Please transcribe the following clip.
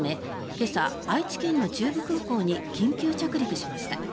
今朝、愛知県の中部空港に緊急着陸しました。